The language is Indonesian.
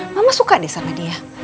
mama suka deh sama dia